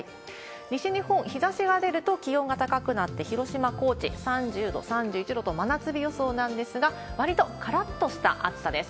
西日本、日ざしが出ると気温が高くなって、広島、高知、３０度、３１度と真夏日予想なんですが、わりとからっとした暑さです。